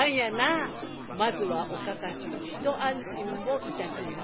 まずはおかか衆一安心をいたしました。